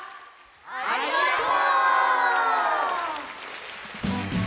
ありがとう！